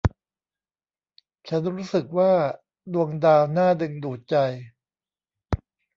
ฉันรู้สึกว่าดวงดาวน่าดึงดูดใจ